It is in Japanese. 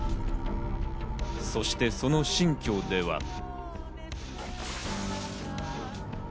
そしてその新居では。